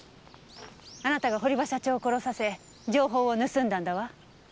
あなたが堀場社長を殺させ情報を盗んだんだわ。